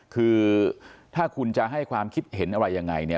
คือถ้าคุณจะให้ความคิดเห็นอะไรยังไงเนี่ย